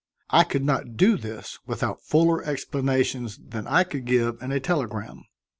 I could not do this without fuller explanations than I could give in a telegram.